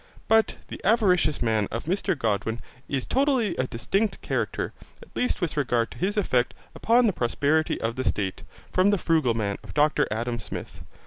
But the avaricious man of Mr Godwin is totally a distinct character, at least with regard to his effect upon the prosperity of the state, from the frugal man of Dr Adam Smith.